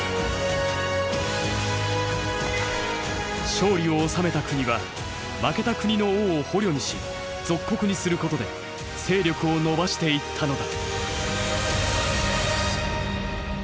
勝利を収めた国は負けた国の王を捕虜にし属国にすることで勢力を伸ばしていったのだ。